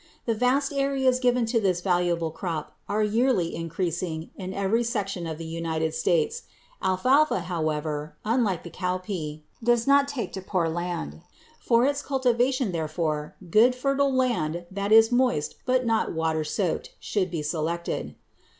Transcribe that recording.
The vast areas given to this valuable crop are yearly increasing in every section of the United States. Alfalfa, however, unlike the cowpea, does not take to poor land. For its cultivation, therefore, good fertile land that is moist but not water soaked should be selected.